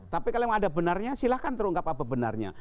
tapi kalau memang ada benarnya silahkan terungkap apa benarnya